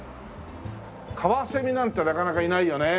カワセミなんてなかなかいないよね。